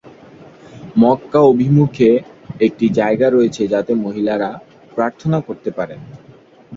মক্কা অভিমুখে একটি জায়গা রয়েছে যাতে মহিলারা প্রার্থনা করতে পারেন।